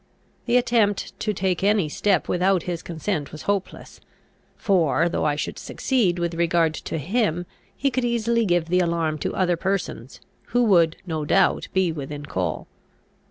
The attempt to take any step without his consent was hopeless; for, though I should succeed with regard to him, he could easily give the alarm to other persons, who would, no doubt, be within call.